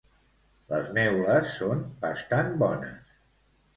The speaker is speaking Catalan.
Les neules són bastant bones